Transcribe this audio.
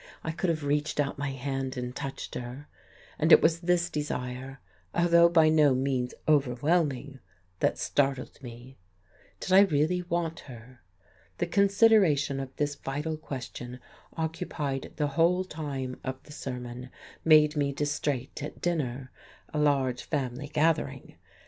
I could have reached out my hand and touched her. And it was this desire, although by no means overwhelming, that startled me. Did I really want her? The consideration of this vital question occupied the whole time of the sermon; made me distrait at dinner, a large family gathering.